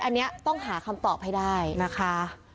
อันนี้ต้องหาคำตอบให้ได้นะคะ